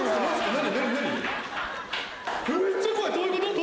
何？